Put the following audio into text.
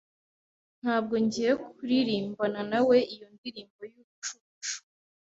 Ntabwo ngiye kuririmbana nawe iyo ndirimbo yubucucu.